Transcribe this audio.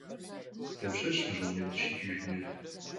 Дапщэщ мы щӀыунэм дыщикӀыжынур?